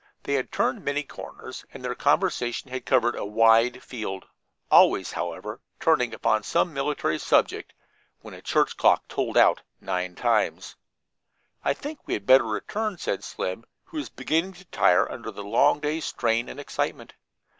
They had turned many corners, and their conversation had covered a wide field always, however, turning upon some military subject when a church clock tolled out nine times. "I think we had better return," said Slim, who was beginning to tire under the long day's strain and excitement.